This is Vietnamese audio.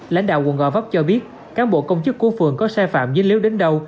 lãnh đạo quận gò vấp cho biết cán bộ công chức của phường có sai phạm dưới lếu đến đâu